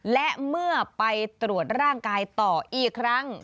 และเมื่อไปตรวจร่างกายต่ออีกครั้ง